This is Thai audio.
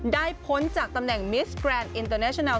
พ้นจากตำแหน่งมิสแกรนดอินเตอร์เนชนัล